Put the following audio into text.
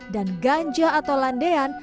dan ganja atau landean